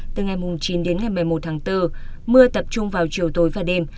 từ ngày chín đến ngày một mươi một tháng bốn mưa tập trung vào chiều tối và đêm